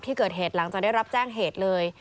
ที่เกิดเหตุหลังจากได้รับแจ้งเหตุเลย